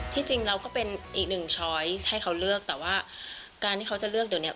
จริงเราก็เป็นอีกหนึ่งช้อยให้เขาเลือกแต่ว่าการที่เขาจะเลือกเดี๋ยวเนี้ย